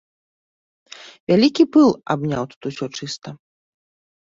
Вялікі пыл абняў тут усё чыста.